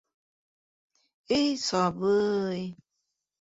- Эй сабый...